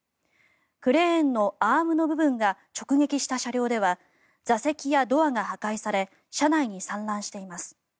クレーンのアームの部分が直撃した車両では座席やドアが破壊され車内に散乱しています。